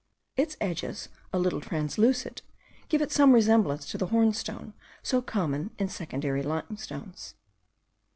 Its edges, a little translucid, give it some resemblance to the hornstone, so common in secondary limestones.